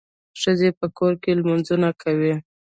ښځي په کور کي لمونځونه کوي.